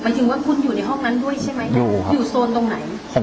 หมายถึงว่าคุณอยู่ในห้องนั้นด้วยใช่ไหมอยู่ครับอยู่โซนตรงไหน